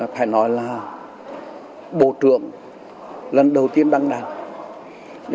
phải nói là bộ trưởng lần đầu tiên đăng đàn